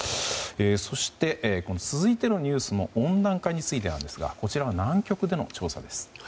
そして、続いてのニュースも温暖化についてなんですがこちらは南極での調査です。